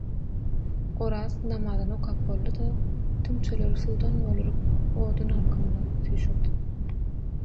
Oraz namazyny okap boldy-da tüňçeleri suwdan dolduryp oduň alkymyna süýşürdi.